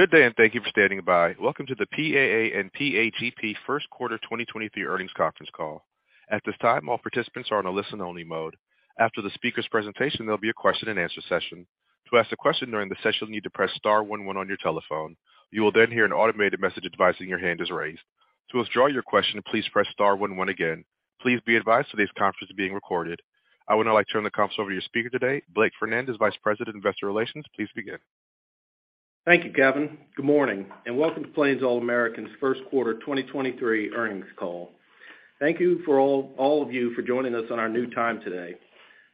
Good day, and thank you for standing by. Welcome to the PAA and PAGP Q1 2023 earnings conference call. At this time, all participants are on a listen-only mode. After the speaker's presentation, there'll be a question-and-answer session. To ask a question during the session, you'll need to press star one on your telephone. You will then hear an automated message advising your hand is raised. To withdraw your question, please press star one again. Please be advised today's conference is being recorded. I would now like to turn the conference over to your speaker today, Blake Fernandez, Vice President, Investor Relations. Please begin. Thank you, Kevin. Good morning, and welcome to Plains All American's Q1 2023 earnings call. Thank you for all of you for joining us on our new time today.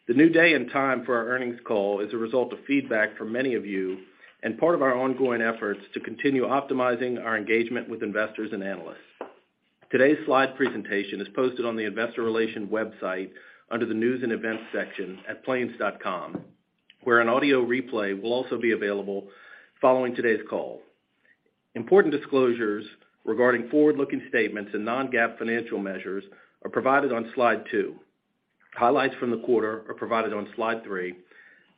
The new day and time for our earnings call is a result of feedback from many of you and part of our ongoing efforts to continue optimizing our engagement with investors and analysts. Today's slide presentation is posted on the investor relation website under the News and Events section at plains.com, where an audio replay will also be available following today's call. Important disclosures regarding forward-looking statements and non-GAAP financial measures are provided on slide two. Highlights from the quarter are provided on slide three.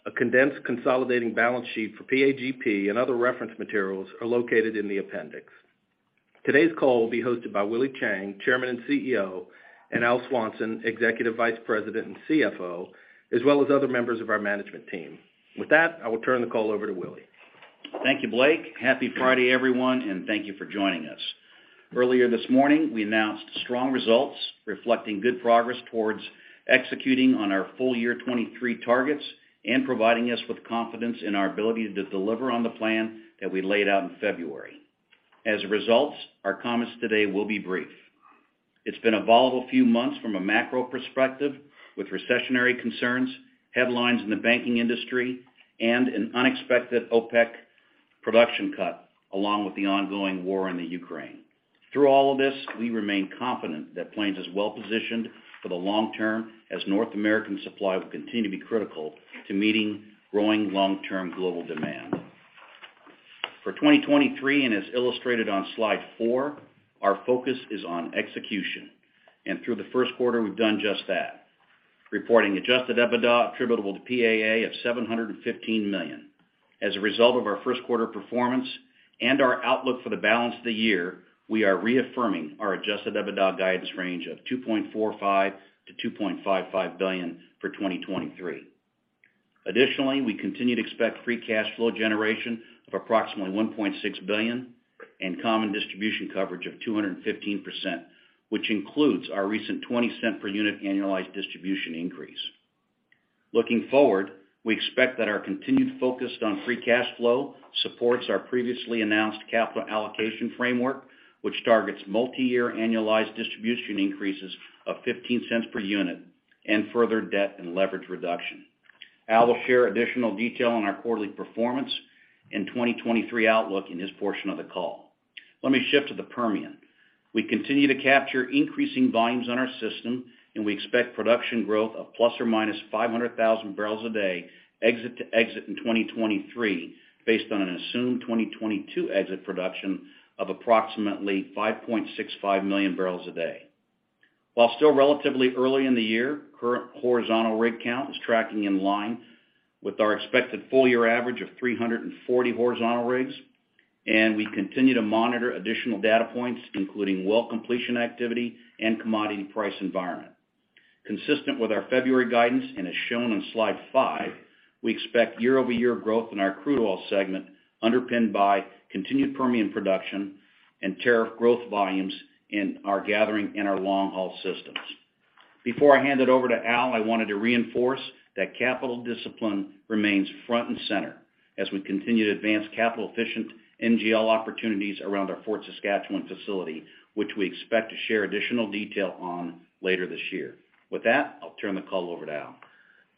A condensed consolidating balance sheet for PAGP and other reference materials are located in the appendix. Today's call will be hosted by Willie Chiang, Chairman and CEO, and Al Swanson, Executive Vice President and CFO, as well as other members of our management team. With that, I will turn the call over to Willie. Thank you, Blake. Happy Friday, everyone, thank you for joining us. Earlier this morning, we announced strong results reflecting good progress towards executing on our full year 2023 targets and providing us with confidence in our ability to deliver on the plan that we laid out in February. As a result, our comments today will be brief. It's been a volatile few months from a macro perspective, with recessionary concerns, headlines in the banking industry, and an unexpected OPEC production cut, along with the ongoing war in Ukraine. Through all of this, we remain confident that Plains is well-positioned for the long term, as North American supply will continue to be critical to meeting growing long-term global demand. For 2023, as illustrated on slide four, our focus is on execution. Through the Q1, we've done just that, reporting Adjusted EBITDA attributable to PAA of $715 million. As a result of our Q1 performance and our outlook for the balance of the year, we are reaffirming our Adjusted EBITDA guidance range of $2.45 to 2.55 billion for 2023. Additionally, we continue to expect free cash flow generation of approximately $1.6 billion and common distribution coverage of 215%, which includes our recent $0.20 per unit annualized distribution increase. Looking forward, we expect that our continued focus on free cash flow supports our previously announced capital allocation framework, which targets multiyear annualized distribution increases of $0.15 per unit and further debt and leverage reduction. Al will share additional detail on our quarterly performance in 2023 outlook in his portion of the call. Let me shift to the Permian. We continue to capture increasing volumes on our system. We expect production growth of ±500,000 barrels a day exit to exit in 2023, based on an assumed 2022 exit production of approximately 5.65MMbpd. While still relatively early in the year, current horizontal rig count is tracking in line with our expected full year average of 340 horizontal rigs. We continue to monitor additional data points, including well completion activity and commodity price environment. Consistent with our February guidance and as shown on slide five, we expect year-over-year growth in our crude oil segment underpinned by continued Permian production and tariff growth volumes in our gathering and our long-haul systems. Before I hand it over to Al, I wanted to reinforce that capital discipline remains front and center as we continue to advance capital-efficient NGL opportunities around our Fort Saskatchewan facility, which we expect to share additional detail on later this year. With that, I'll turn the call over to Al.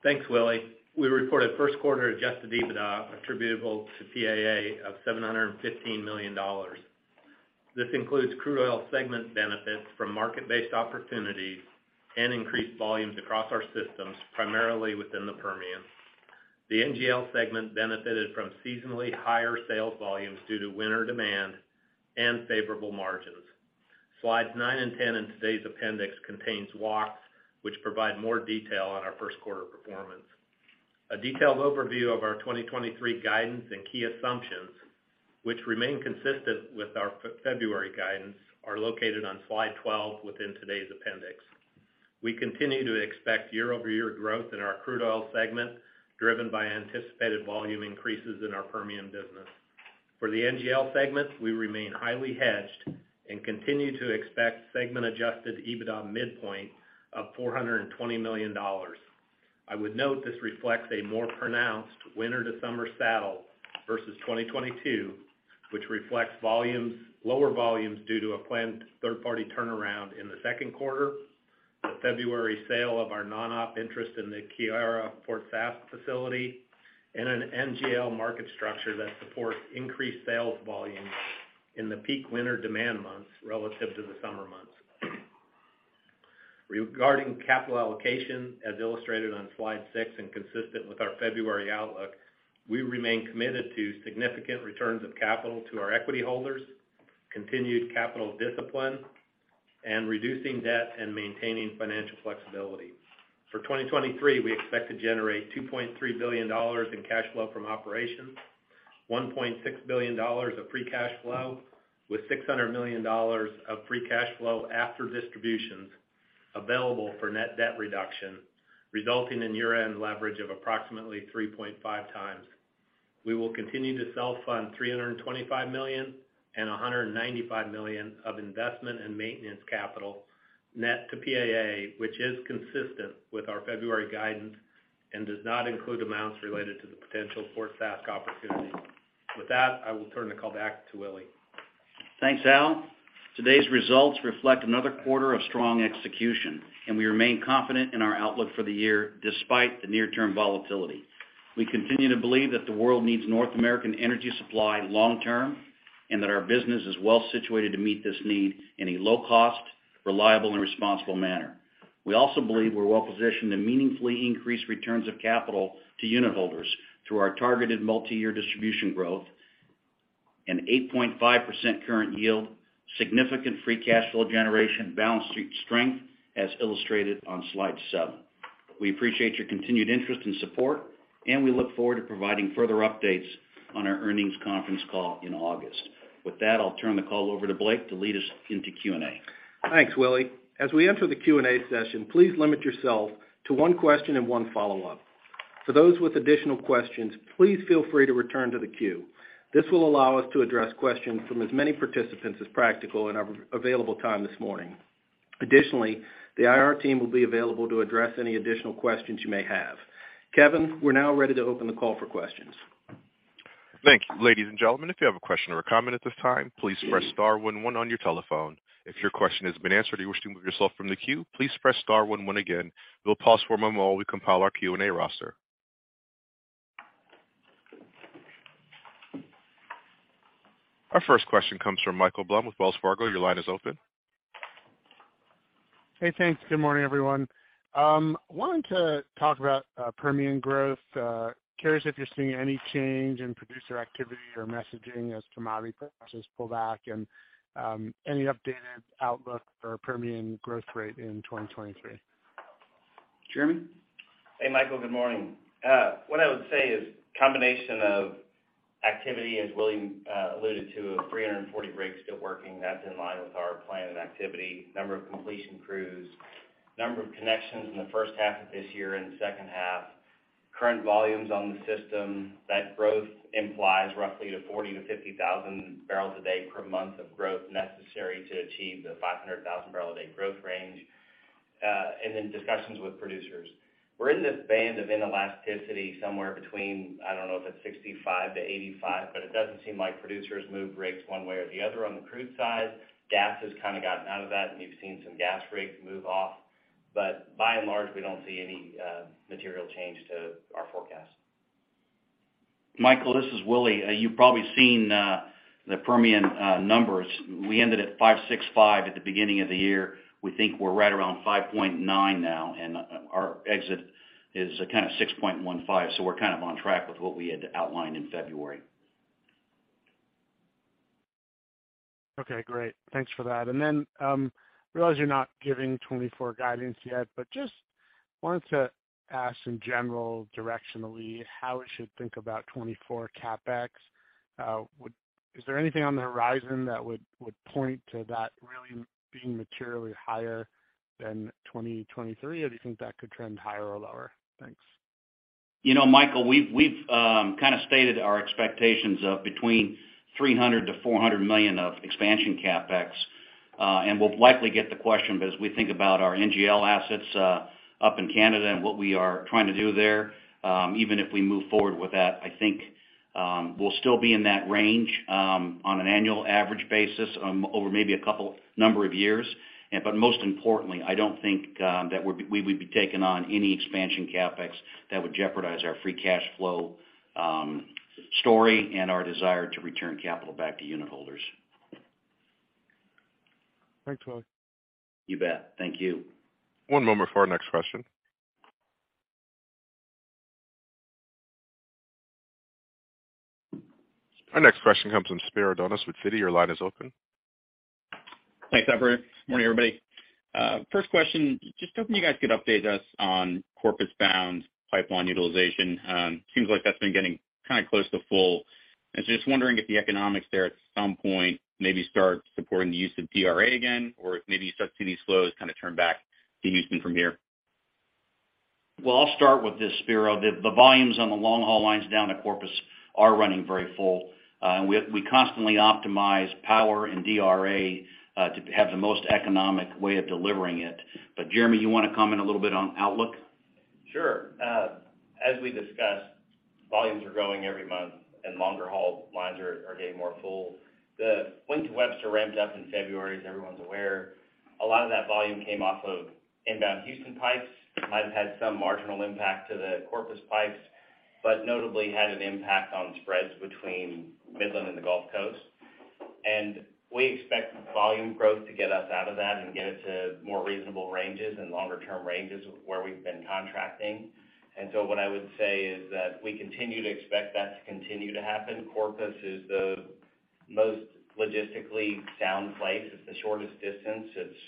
Thanks, Willie. We reported Q1 Adjusted EBITDA attributable to PAA of $715 million. This includes crude oil segment benefits from market-based opportunities and increased volumes across our systems, primarily within the Permian. The NGL segment benefited from seasonally higher sales volumes due to winter demand and favorable margins. Slides nine and 10 in today's appendix contains walks which provide more detail on our Q1 performance. A detailed overview of our 2023 guidance and key assumptions, which remain consistent with our February guidance, are located on slide 12 within today's appendix. We continue to expect year-over-year growth in our crude oil segment, driven by anticipated volume increases in our Permian business. For the NGL segment, we remain highly hedged and continue to expect segment Adjusted EBITDA midpoint of $420 million. I would note this reflects a more pronounced winter to summer saddle versus 2022, which reflects lower volumes due to a planned third-party turnaround in the Q2, the February sale of our non-op interest in the Keyera Fort Saskatchewan facility, and an NGL market structure that supports increased sales volumes in the peak winter demand months relative to the summer months. Regarding capital allocation, as illustrated on slide six and consistent with our February outlook, we remain committed to significant returns of capital to our equity holders, continued capital discipline. Reducing debt and maintaining financial flexibility. For 2023, we expect to generate $2.3 billion in cash flow from operations, $1.6 billion of free cash flow with $600 million of free cash flow after distributions available for net debt reduction, resulting in year-end leverage of approximately 3.5x. We will continue to self-fund $325 million and $195 million of investment and maintenance capital net to PAA, which is consistent with our February guidance and does not include amounts related to the potential Fort Saskatchewan opportunity. With that, I will turn the call back to Willie. Thanks, Al. Today's results reflect another quarter of strong execution. We remain confident in our outlook for the year despite the near-term volatility. We continue to believe that the world needs North American energy supply long term. Our business is well situated to meet this need in a low cost, reliable, and responsible manner. We also believe we're well positioned to meaningfully increase returns of capital to unit holders through our targeted multiyear distribution growth. A 8.5% current yield, significant free cash flow generation, balance sheet strength, as illustrated on slide seven. We appreciate your continued interest and support. We look forward to providing further updates on our earnings conference call in August. With that, I'll turn the call over to Blake to lead us into Q&A. Thanks, Willie. As we enter the Q&A session, please limit yourself to one question and one follow-up. For those with additional questions, please feel free to return to the queue. This will allow us to address questions from as many participants as practical in our available time this morning. Additionally, the IR team will be available to address any additional questions you may have. Kevin, we're now ready to open the call for questions. Thank you. Ladies and gentlemen, if you have a question or a comment at this time, please press star one one on your telephone. If your question has been answered or you wish to move yourself from the queue, please press star one one again. We'll pause for a moment while we compile our Q&A roster. Our first question comes from Michael Blum with Wells Fargo. Your line is open. Hey, thanks. Good morning, everyone. Wanting to talk about Permian growth. Curious if you're seeing any change in producer activity or messaging as commodity prices pull back, any updated outlook for Permian growth rate in 2023. Jeremy? Hey, Michael Blum. Good morning. What I would say is combination of activity, as Willie Chiang alluded to, of 340 rigs still working, that's in line with our plan and activity. Number of completion crews, number of connections in the first half of this year and the second half. Current volumes on the system, that growth implies roughly to 40,000 to 50,000bpd per month of growth necessary to achieve the 500,000bpd growth range. Discussions with producers. We're in this band of inelasticity somewhere between, I don't know if it's $65 to $85, but it doesn't seem like producers move rigs one way or the other on the crude side. Gas has kind of gotten out of that, and you've seen some gas rigs move off. By and large, we don't see any material change to our forecast. Michael, this is Willie. You've probably seen, the Permian, numbers. We ended at 5.65 at the beginning of the year. We think we're right around 5.9 now, and our exit is kind of 6.15. We're kind of on track with what we had outlined in February. Okay, great. Thanks for that. Realize you're not giving 2024 guidance yet, but just wanted to ask in general directionally how we should think about 2024 CapEx. Is there anything on the horizon that would point to that really being materially higher than 2023? Do you think that could trend higher or lower? Thanks. You know, Michael, we've kind of stated our expectations of between $300 to 400 million of expansion CapEx. We'll likely get the question as we think about our NGL assets up in Canada and what we are trying to do there, even if we move forward with that, I think we'll still be in that range on an annual average basis over maybe a couple number of years. Most importantly, I don't think that we would be taking on any expansion CapEx that would jeopardize our free cash flow story and our desire to return capital back to unit holders. Thanks, Willie. You bet. Thank you. One moment for our next question. Our next question comes from Spiro Dounis with Citi. Your line is open. Thanks, operator. Morning, everybody. First question, just hoping you guys could update us on Corpus-bound pipeline utilization. Seems like that's been getting kind of close to full. I was just wondering if the economics there at some point maybe start supporting the use of DRA again, or maybe you start to see these flows kind of turn back to Houston from here? Well, I'll start with this, Spero. The volumes on the long-haul lines down to Corpus are running very full. We constantly optimize power and DRA to have the most economic way of delivering it. Jeremy, you want to comment a little bit on outlook? Sure. As we discussed, volumes are growing every month and longer-haul lines are getting more full. The Wink to Webster ramped up in February, as everyone's aware. A lot of that volume came off of inbound Houston pipes. Might have had some marginal impact to the Corpus pipes, but notably had an impact on spreads between Midland and the Gulf Coast. We expect volume growth to get us out of that and get it to more reasonable ranges and longer-term ranges where we've been contracting. What I would say is that we continue to expect that to continue to happen. Corpus is the most logistically sound place it's the shortest distance. It's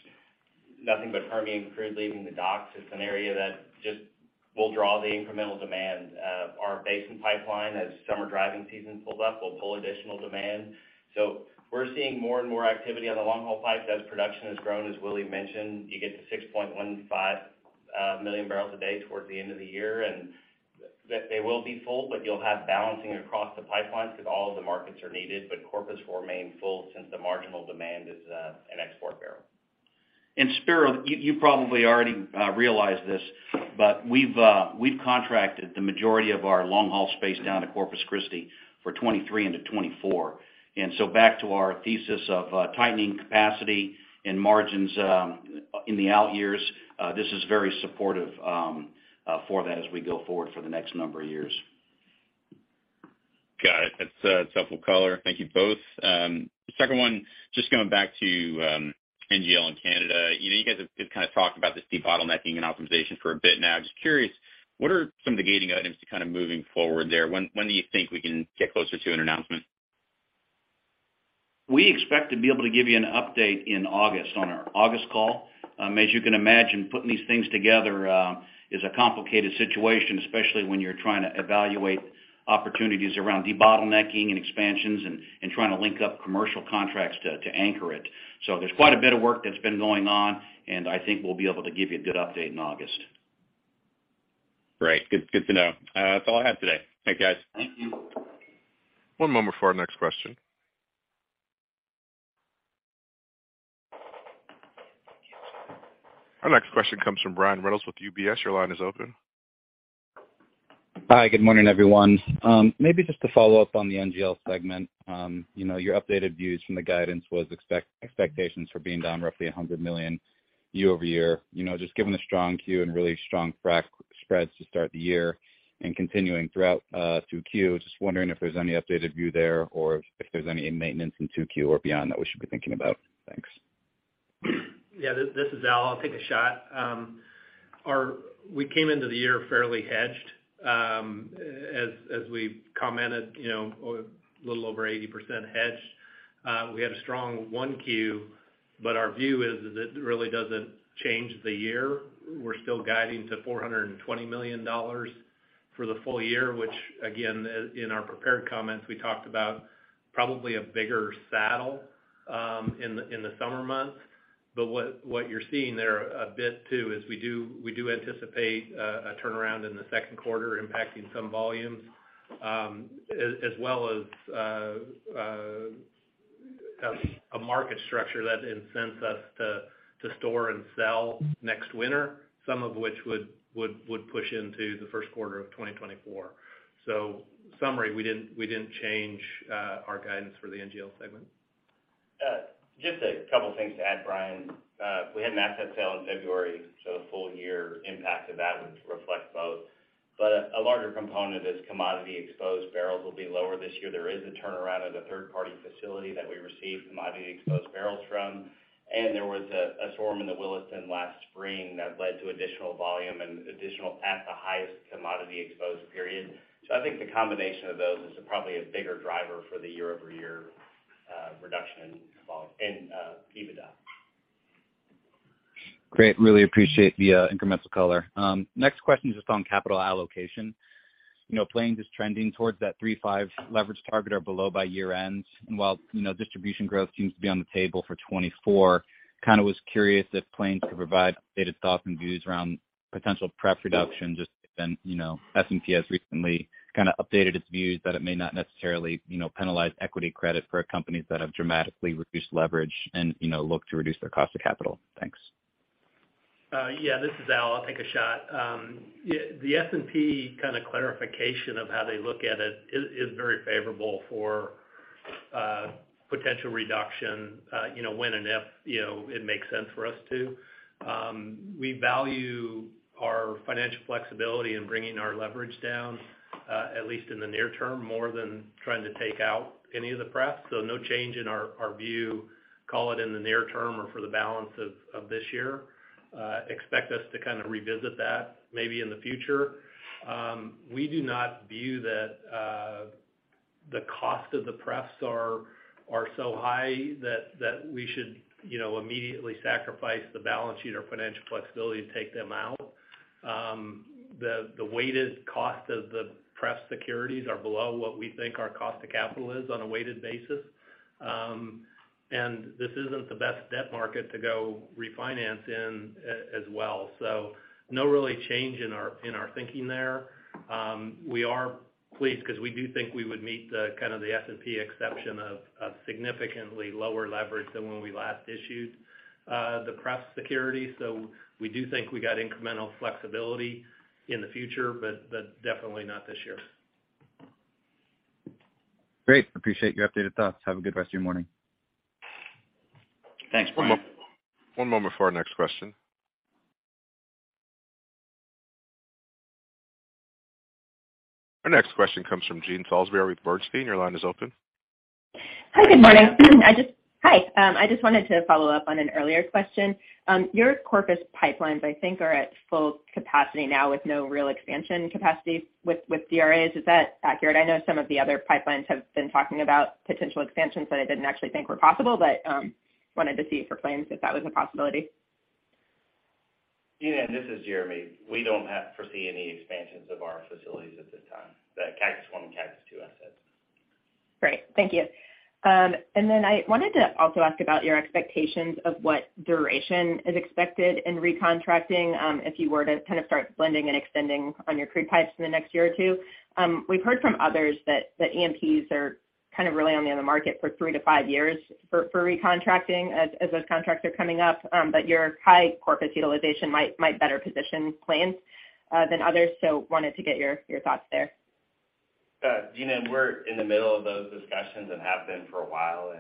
nothing but Permian crude leaving the docks. It's an area that just will draw the incremental demand. Our Basin Pipeline, as summer driving season pulls up, will pull additional demand. We're seeing more and more activity on the long-haul pipes as production has grown, as Willie mentioned. You get to 6.15MMbpd towards the end of the year, they will be full, but you'll have balancing across the pipelines because all of the markets are needed. Corpus will remain full since the marginal demand is an export barrel. Spiro, you probably already realize this, but we've contracted the majority of our long-haul space down to Corpus Christi for 2023 into 2024. Back to our thesis of tightening capacity and margins in the out years, this is very supportive for that as we go forward for the next number of years. Got it. That's helpful color. Thank you both. The second one, just going back to NGL in Canada. You know, you guys have kind of talked about this debottlenecking and optimization for a bit now. Just curious, what are some of the gating items to kind of moving forward there? When do you think we can get closer to an announcement? We expect to be able to give you an update in August on our August call. As you can imagine, putting these things together is a complicated situation, especially when you're trying to evaluate opportunities around debottlenecking and expansions and trying to link up commercial contracts to anchor it. There's quite a bit of work that's been going on, and I think we'll be able to give you a good update in August. Great. Good, good to know. That's all I have today. Thanks, guys. Thank you. One moment for our next question. Our next question comes from Brian Reynolds with UBS. Your line is open. Hi, good morning, everyone. Maybe just to follow up on the NGL segment. You know, your updated views from the guidance was expectations for being down roughly $100 million year-over-year. You know, just given the strong quarter and really strong frac spreads to start the year and continuing throughout, Q2, just wondering if there's any updated view there or if there's any maintenance in Q2 or beyond that we should be thinking about. Thanks. Yeah, this is Al. I'll take a shot. We came into the year fairly hedged, as we've commented, you know, a little over 80% hedged. We had a strong Q1, but our view is that it really doesn't change the year. We're still guiding to $420 million for the full year, which again, in our prepared comments, we talked about probably a bigger saddle in the summer months. What you're seeing there a bit too is we do anticipate a turnaround in the Q2 impacting some volumes, as well as a market structure that incents us to store and sell next winter, some of which would push into the Q1 of 2024. Summary, we didn't change our guidance for the NGL segment. Just a couple of things to add, Brian. We had an asset sale in February, so the full year impact of that would reflect both. A larger component is commodity-exposed barrels will be lower this year there is a turnaround at a third-party facility that we receive commodity-exposed barrels from. There was a storm in the Williston last spring that led to additional volume and additional at the highest commodity exposed period. I think the combination of those is probably a bigger driver for the year-over-year reduction in EBITDA. Great. Really appreciate the incremental color. Next question is just on capital allocation. You know, Plains is trending towards that 3.5 leverage target or below by year-end. While, you know, distribution growth seems to be on the table for 2024, kind of was curious if Plains could provide updated thoughts and views around potential pref reduction just given, you know, S&P has recently kind of updated its views that it may not necessarily, you know, penalize equity credit for companies that have dramatically reduced leverage and, you know, look to reduce their cost of capital. Thanks. Yeah, this is Al. I'll take a shot. Yeah, the S&P kind of clarification of how they look at it is very favorable for potential reduction, you know, when and if, you know, it makes sense for us to. We value our financial flexibility in bringing our leverage down, at least in the near term, more than trying to take out any of the pref. No change in our view, call it in the near term or for the balance of this year. Expect us to kind of revisit that maybe in the future. We do not view that the cost of the pref are so high that we should, you know, immediately sacrifice the balance sheet or financial flexibility to take them out. The weighted cost of the pref securities are below what we think our cost of capital is on a weighted basis. This isn't the best debt market to go refinance in as well. No really change in our thinking there. We are pleased because we do think we would meet the S&P exception of significantly lower leverage than when we last issued the pref security. We do think we got incremental flexibility in the future, but definitely not this year. Great. Appreciate your updated thoughts. Have a good rest of your morning. Thanks, Brian. One moment for our next question. Our next question comes from Jean Ann Salisbury with Bernstein. Your line is open. Hi, good morning. Hi, I just wanted to follow up on an earlier question. Your Corpus pipelines, I think, are at full capacity now with no real expansion capacity with CRAs. Is that accurate? I know some of the other pipelines have been talking about potential expansions that I didn't actually think were possible, but wanted to see for Plains if that was a possibility. Jean Ann, this is Jeremy. We don't foresee any expansions of our facilities at this time, the Cactus I and Cactus II assets. Great. Thank you. I wanted to also ask about your expectations of what duration is expected in recontracting if you were to kind of start blending and extending on your crude pipes in the next one or two years. We've heard from others that E&Ps are kind of really only on the market for three to five years for recontracting as those contracts are coming up. But your high Corpus utilization might better position Plains than others. Wanted to get your thoughts there. Jean Ann, we're in the middle of those discussions and have been for a while,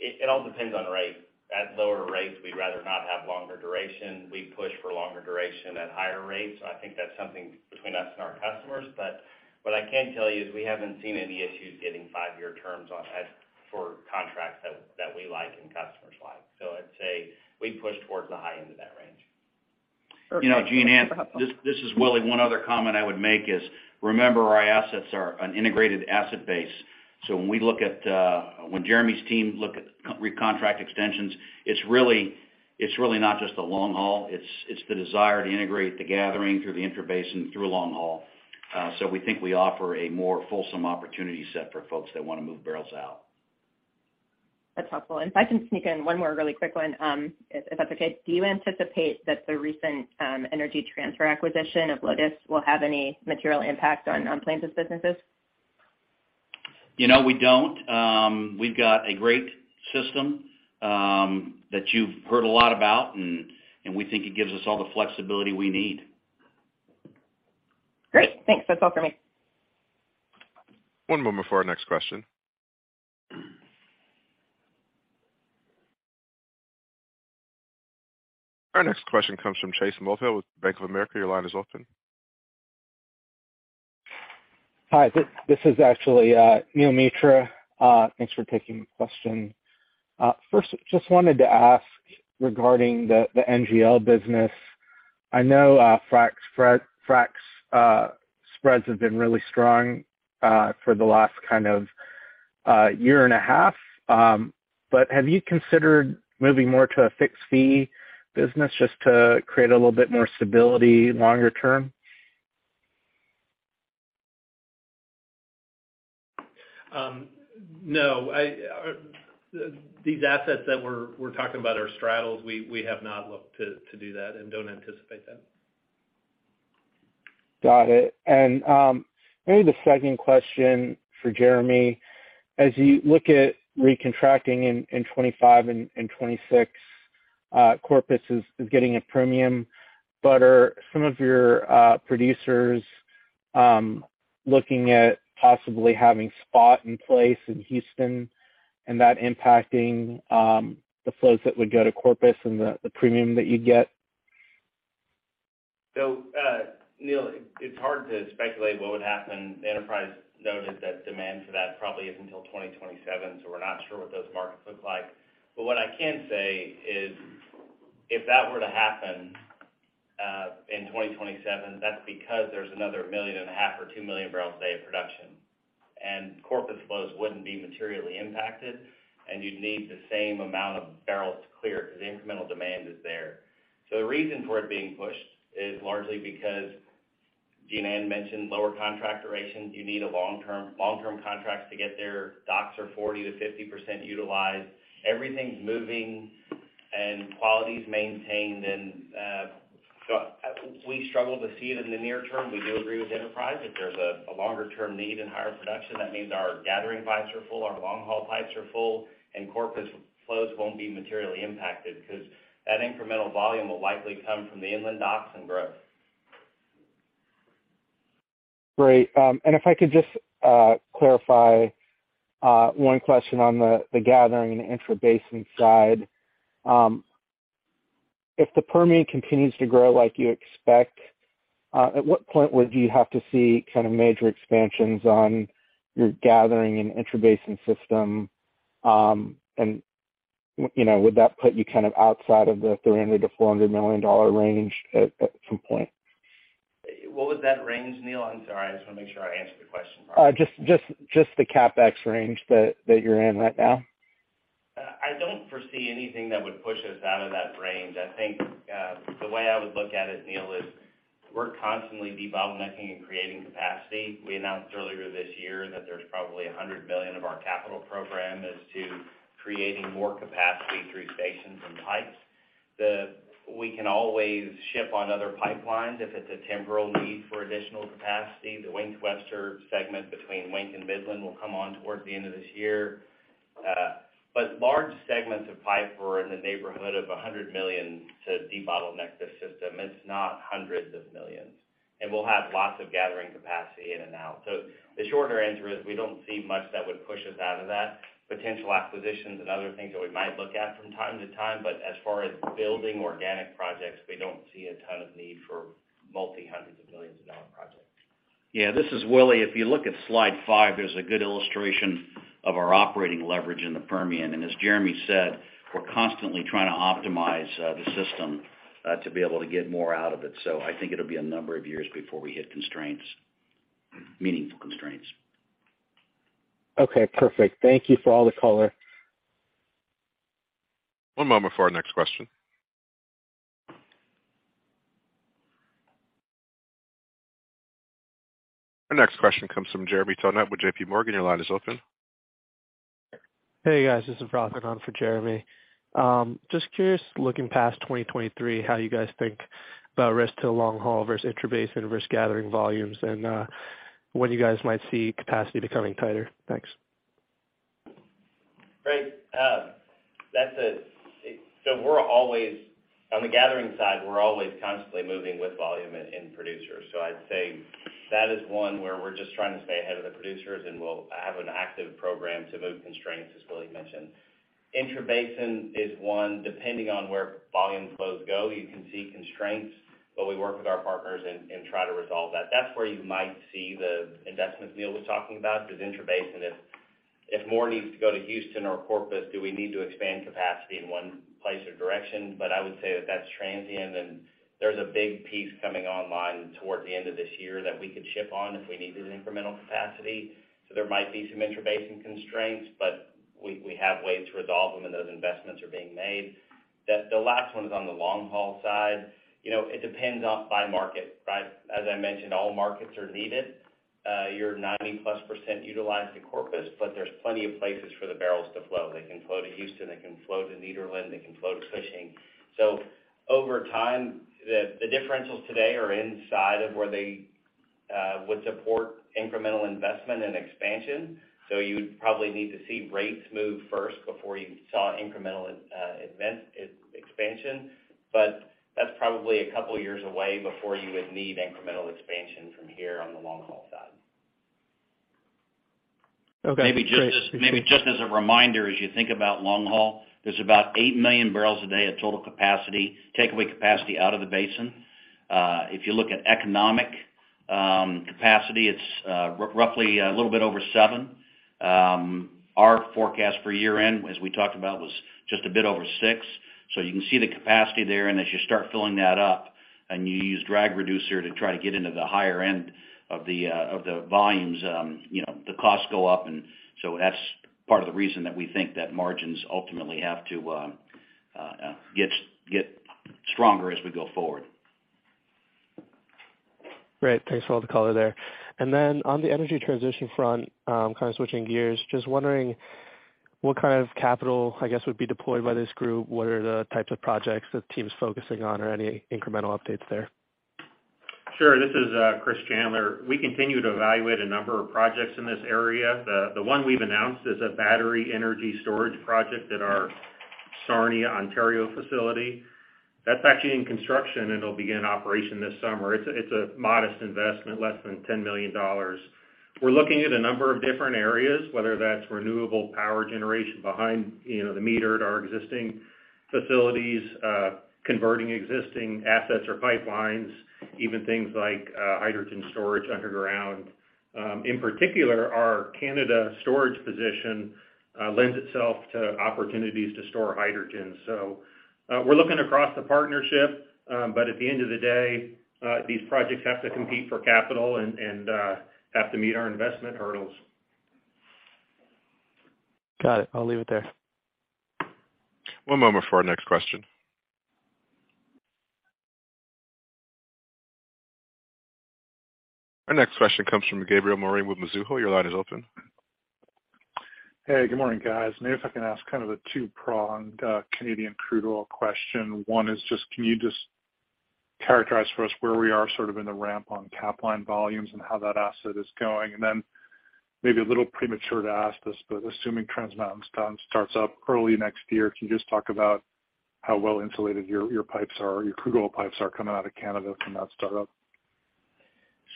it all depends on rate. At lower rates, we'd rather not have longer duration. We push for longer duration at higher rates. I think that's something between us and our customers. What I can tell you is we haven't seen any issues getting five year terms on for contracts that we like and customers like. I'd say we push towards the high end of that range. Okay. You know, Jean Ann, this is Willie. One other comment I would make is, remember our assets are an integrated asset base. When we look at, when Jeremy's team look at recontract extensions, it's really not just the long haul, it's the desire to integrate the gathering through theintrabasin, through long haul. We think we offer a more fulsome opportunity set for folks that wanna move barrels out. That's helpful. If I can sneak in one more really quick one, if that's okay. Do you anticipate that the recent Energy Transfer acquisition of Lotus Midstream will have any material impact on Plains' businesses? You know, we don't. We've got a great system that you've heard a lot about and we think it gives us all the flexibility we need. Great. Thanks. That's all for me. One moment for our next question. Our next question comes from Neel Mitra with Bank of America. Your line is open. Hi, this is actually Neel Mitra. Thanks for taking the question. First, just wanted to ask regarding the NGL business. I know frac spreads have been really strong for the last kind of year and a half. Have you considered moving more to a fixed fee business just to create a little bit more stability longer term? No. I, these assets that we're talking about are straddles. We have not looked to do that and don't anticipate that. Got it. Maybe the second question for Jeremy. As you look at recontracting in 25 and 26, Corpus is getting a premium, but are some of your producers looking at possibly having spot in place in Houston and that impacting the flows that would go to Corpus and the premium that you'd get? Neal, it's hard to speculate what would happen. The Enterprise noted that demand for that probably isn't until 2027, we're not sure what those markets look like. What I can say is, if that were to happen in 2027, that's because there's another 1.5 million or 2 million barrels a day of production. Corpus flows wouldn't be materially impacted, and you'd need the same amount of barrels to clear because the incremental demand is there. The reason for it being pushed is largely because Jean Ann mentioned lower contract durations. You need long-term contracts to get there. Docks are 40% to 50% utilized. Everything's moving and quality is maintained. We struggle to see it in the near term we do agree with Enterprise if there's a longer term need and higher production, that means our gathering pipes are full, our long-haul pipes are full, and Corpus flows won't be materially impacted because that incremental volume will likely come from the inland docks and growth. Great. If I could just clarify one question on the gathering intrabasin side. If the Permian continues to grow like you expect, at what point would you have to see kind of major expansions on your gathering and intrabasin system? You know, would that put you kind of outside of the $300 to 400 million range at some point? What was that range, Neil? I'm sorry. I just wanna make sure I answer the question properly. just the CapEx range that you're in right now. I don't foresee anything that would push us out of that range. I think the way I would look at it, Neil, is we're constantly debottlenecking and creating capacity. We announced earlier this year that there's probably $100 million of our capital program is to creating more capacity through stations and pipes. We can always ship on other pipelines if it's a temporal need for additional capacity The Wink to Webster segment between Wink and Midland will come on towards the end of this year. But large segments of pipe were in the neighborhood of $100 million to debottleneck the system. It's not 100 of millions. We'll have lots of gathering capacity in and out. The shorter answer is we don't see much that would push us out of that. Potential acquisitions and other things that we might look at from time to time, but as far as building organic projects, we don't see a ton of need for multi-hundreds of millions of dollar projects. This is Willie. If you look at slide five, there's a good illustration of our operating leverage in the Permian. As Jeremy said, we're constantly trying to optimize the system to be able to get more out of it. I think it'll be a number of years before we hit constraints, meaningful constraints. Okay, perfect. Thank you for all the color. One moment for our next question. Our next question comes from Jeremy Tonet with J.P. Morgan. Your line is open. Hey, guys. This is Ross, again, for Jeremy. just curious, looking past 2023, how you guys think about risk to long-haul intrabasin risk gathering volumes and, when you guys might see capacity becoming tighter? Thanks. Great. On the gathering side, we're always constantly moving with volume and producers. I'd say that is one where we're just trying to stay ahead of the producers, and we'll have an active program to move constraints, as Willy mentioned. intrabasin is one, depending on where volumes flows go, you can see constraints, but we work with our partners and try to resolve that. That's where you might see the investments Neil was talking about, is intrabasin. If more needs to go to Houston or Corpus, do we need to expand capacity in one place or direction? I would say that that's transient, and there's a big piece coming online toward the end of this year that we could ship on if we needed incremental capacity. There might be some intrabasin constraints, but we have ways to resolve them, and those investments are being made. The last one is on the long-haul side. You know, it depends on by market, right? As I mentioned, all markets are needed. You're 90%-plus utilized to Corpus, but there's plenty of places for the barrels to flow. They can flow to Houston, they can flow to Nederland, they can flow to Cushing. Over time, the differentials today are inside of where they would support incremental investment and expansion. You would probably need to see rates move first before you saw incremental expansion. That's probably a couple years away before you would need incremental expansion from here on the long-haul side. Okay, great. Maybe just as a reminder, as you think about long-haul, there's about 8MMbpd of total capacity, takeaway capacity out of the basin. If you look at economic capacity, it's roughly a little bit over 7. Our forecast for year-end, as we talked about, was just a bit over 6. You can see the capacity there, and as you start filling that up and you use drag reducer to try to get into the higher end of the volumes, you know, the costs go up. That's part of the reason that we think that margins ultimately have to get stronger as we go forward. Great. Thanks for all the color there. On the energy transition front, kind of switching gears, just wondering what kind of capital, I guess, would be deployed by this group? What are the types of projects the team's focusing on, or any incremental updates there? Sure. This is Chris Chandler. We continue to evaluate a number of projects in this area. The one we've announced is a battery energy storage project at our Sarnia, Ontario facility. That's actually in construction, and it'll begin operation this summer it's a modest investment, less than $10 million. We're looking at a number of different areas, whether that's renewable power generation behind, you know, the meter at our existing facilities, converting existing assets or pipelines, even things like hydrogen storage underground. In particular, our Canada storage position lends itself to opportunities to store hydrogen. We're looking across the partnership, but at the end of the day, these projects have to compete for capital and have to meet our investment hurdles. Got it. I'll leave it there. One moment for our next question. Our next question comes from Gabriel Moreen with Mizuho. Your line is open. Hey, good morning, guys. Maybe if I can ask kind of a two-pronged Canadian crude oil question. One is just, can you just characterize for us where we are sort of in the ramp on Capline volumes and how that asset is going? Then maybe a little premature to ask this, but assuming Trans Mountain starts up early next year, can you just talk about how well insulated your pipes are, your crude oil pipes are coming out of Canada from that start-up?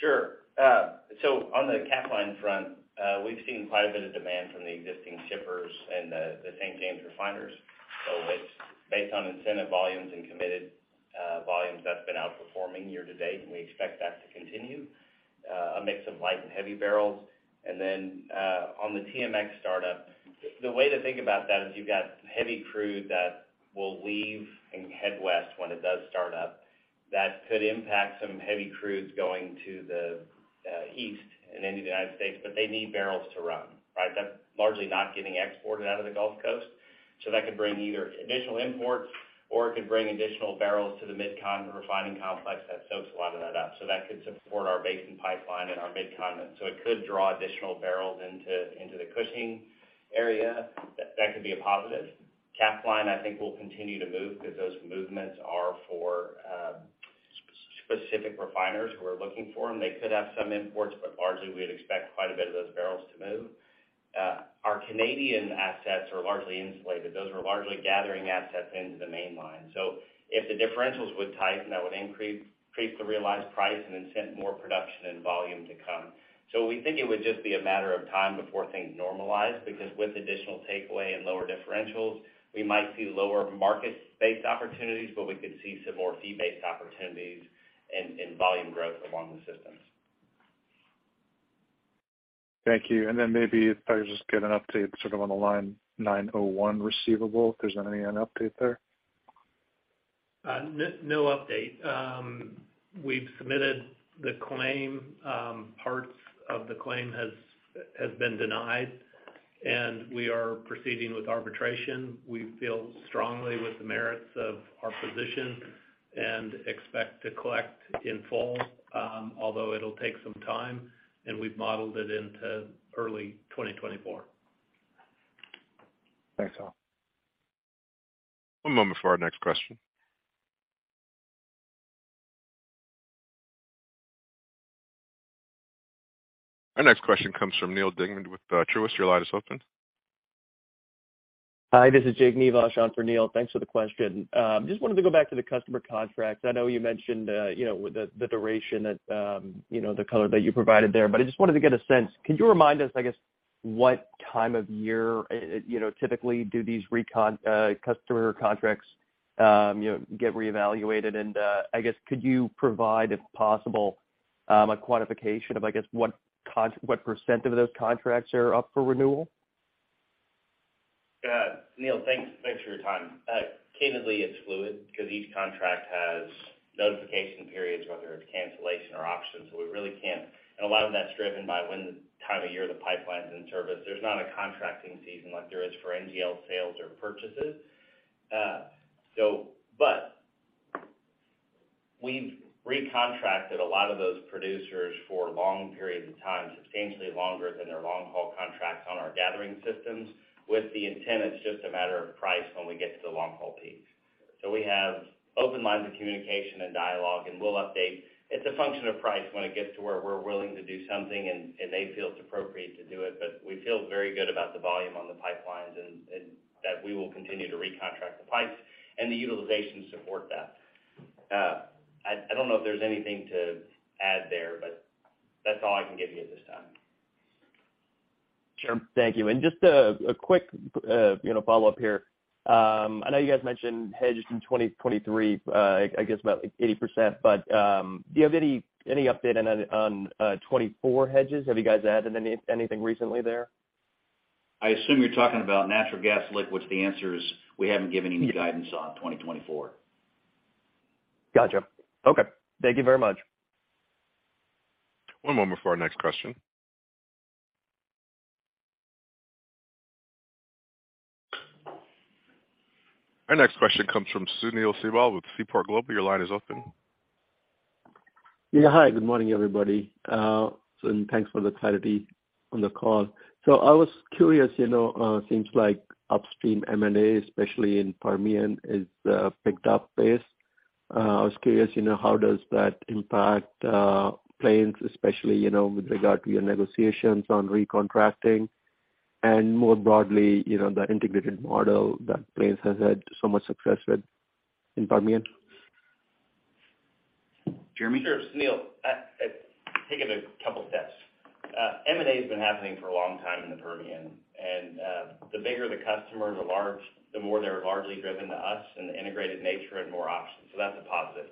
Sure. On the Capline front, we've seen quite a bit of demand from the existing shippers and the same game refiners. It's based on incentive volumes and committed volumes that's been outperforming year to date, and we expect that to continue. A mix of light and heavy barrels. On the TMX start-up, the way to think about that is you've got heavy crude that will leave and head west when it does start up. That could impact some heavy crudes going to the east and into the United States, but they need barrels to run, right? That's largely not getting exported out of the Gulf Coast. That could bring either additional imports or it could bring additional barrels to the MidCon refining complex that soaks a lot of that up that could support our Basin Pipeline and our MidCon it could draw additional barrels into the Cushing area. That could be a positive. Capline, I think, will continue to move because those movements are for specific refiners who are looking for them they could have some imports, but largely we'd expect quite a bit of those barrels to move. Our Canadian assets are largely insulated those are largely gathering assets into the mainline. If the differentials would tighten, that would increase the realized price and incent more production and volume to come. We think it would just be a matter of time before things normalize, because with additional takeaway and lower differentials, we might see lower market-based opportunities, but we could see some more fee-based opportunities and volume growth along the systems. Thank you. maybe if I could just get an update sort of on the Line 901 receivable, if there's any, an update there? No update. We've submitted the claim. Parts of the claim has been denied, and we are proceeding with arbitration. We feel strongly with the merits of our position and expect to collect in full, although it'll take some time, and we've modeled it into early 2024. Thanks all. One moment for our next question. Our next question comes from Neal Dingmann with Truist. Your line is open. Hi, this is Jake Nivison on for Neal. Thanks for the question. I just wanted to go back to the customer contracts. I know you mentioned, you know, the duration that, you know, the color that you provided there i just wanted to get a sense. Could you remind us, I guess, what time of year, you know, typically do these customer contracts, you know, get reevaluated? I guess could you provide, if possible, a quantification of, I guess, what percent of those contracts are up for renewal? Yeah. Neal, thanks for your time. Candidly it's fluid because each contract has notification periods, whether it's cancellation or options we really can't. A lot of that's driven by when time of year the pipeline's in service there's not a contracting season like there is for NGL sales or purchases. We've recontracted a lot of those producers for long periods of time, substantially longer than their long-haul contracts on our gathering systems with the intent it's just a matter of price when we get to the long-haul peak. We have open lines of communication and dialogue, and we'll update. It's a function of price when it gets to where we're willing to do something and they feel it's appropriate to do it we feel very good about the volume on the pipelines and that we will continue to recontract the pipes and the utilization support that. I don't know if there's anything to add there, but that's all I can give you at this time. Sure. Thank you. Just a quick, you know, follow-up here. I know you guys mentioned hedges in 2023, I guess about, like, 80%. Do you have any update on 2024 hedges? Have you guys added anything recently there? I assume you're talking about natural gas liquids the answer is we haven't given any guidance on 2024. Gotcha. Okay. Thank you very much. One moment for our next question. Our next question comes from Sunil Sibal with Seaport Global. Your line is open. Yeah. Hi, good morning, everybody. Thanks for the clarity on the call. I was curious, you know, seems like upstream M&A, especially in Permian, has picked up pace. I was curious, you know, how does that impact Plains especially, you know, with regard to your negotiations on recontracting and more broadly, you know, the integrated model that Plains has had so much success with in Permian? Jeremy? Sure. Sunil, take it a couple steps. M&A has been happening for a long time in the Permian. The bigger the customer, the more they're largely driven to us and the integrated nature and more options that's a positive.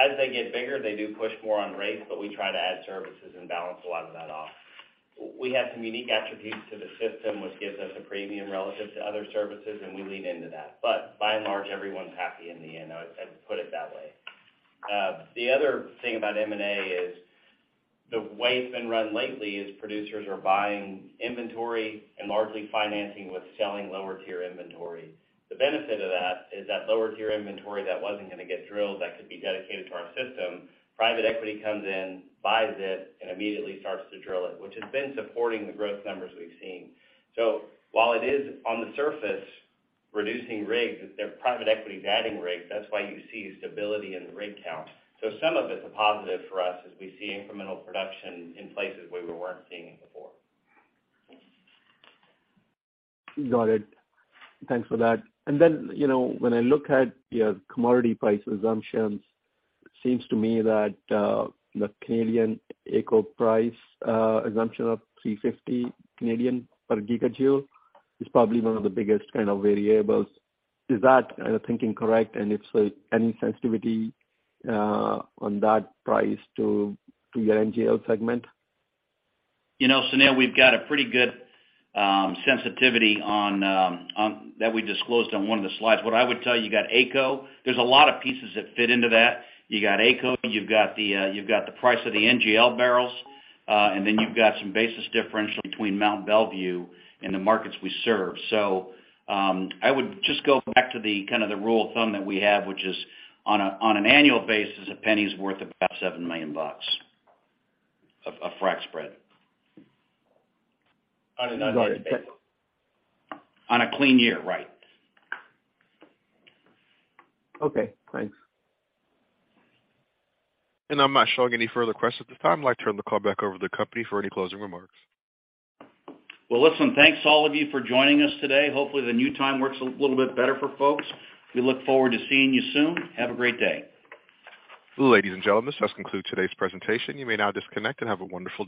As they get bigger, they do push more on rates, but we try to add services and balance a lot of that off. We have some unique attributes to the system, which gives us a premium relative to other services, and we lean into that. By and large, everyone's happy in the end i'd put it that way. The other thing about M&A is the way it's been run lately is producers are buying inventory and largely financing with selling lower-tier inventory. The benefit of that is that lower-tier inventory that wasn't gonna get drilled, that could be dedicated to our system, private equity comes in, buys it, and immediately starts to drill it, which has been supporting the growth numbers we've seen. While it is on the surface reducing rigs, they're private equity adding rigs. That's why you see stability in the rig count. Some of it's a positive for us as we see incremental production in places where we weren't seeing it before. Got it. Thanks for that. Then, you know, when I look at your commodity price assumptions, it seems to me that the Canadian AECO price assumption of 3.50 million per gigajoule is probably one of the biggest kind of variables. Is that kind of thinking correct? If so, any sensitivity on that price to your NGL segment? You know, Sunil, we've got a pretty good sensitivity on that we disclosed on one of the slides what I would tell you got AECO. There's a lot of pieces that fit into that. You got AECO, you've got the, you've got the price of the NGL barrels, and then you've got some basis differential between Mont Belvieu and the markets we serve. I would just go back to the kind of the rule of thumb that we have, which is on an annual basis, $0.01's worth about $7 million of frac spread. On an annual basis. On a clean year, right. Okay, thanks. I'm not showing any further questions at this time. I'd like to turn the call back over to the company for any closing remarks. Well, listen, thanks all of you for joining us today. Hopefully, the new time works a little bit better for folks. We look forward to seeing you soon. Have a great day. Ladies and gentlemen, this does conclude today's presentation. You may now disconnect and have a wonderful day.